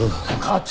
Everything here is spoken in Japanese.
課長！